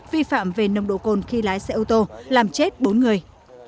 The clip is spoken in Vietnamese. vi phạm về nông độ côn khi lái xe ô tô làm chết bốn người